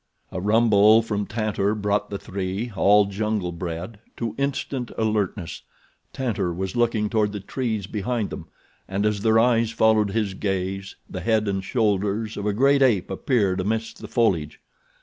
A rumble from Tantor brought the three, all jungle bred, to instant alertness. Tantor was looking toward the trees behind them, and as their eyes followed his gaze the head and shoulders of a great ape appeared amidst the foliage.